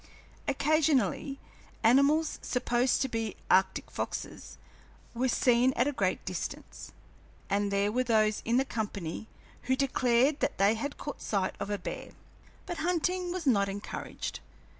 Occasionally animals, supposed to be arctic foxes, were seen at a great distance, and there were those in the company who declared that they had caught sight of a bear. But hunting was not encouraged.